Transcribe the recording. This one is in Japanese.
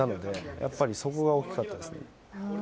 やっぱり、そこが大きかったです。